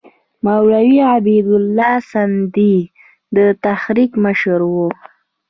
مولوي عبیدالله سندي د تحریک مشر وو.